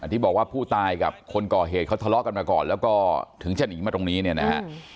ที่บอกว่าผู้ตายกับคนก่อเหตุเขาทะเลาะกันมาก่อนแล้วก็ถึงจะหนีมาตรงนี้เนี่ยนะฮะ